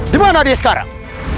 di mana dia sekarang